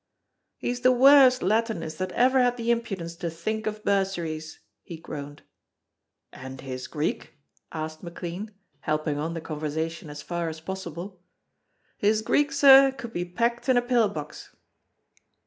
"He's the worst Latinist that ever had the impudence to think of bursaries," he groaned. "And his Greek " asked McLean, helping on the conversation as far as possible. "His Greek, sir, could be packed in a pill box."